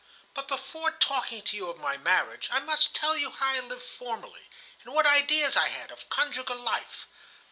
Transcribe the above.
But before talking to you of my marriage, I must tell you how I lived formerly, and what ideas I had of conjugal life.